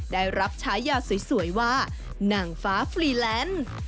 ได้รับฉายาสวยว่านางฟ้าฟรีแลนซ์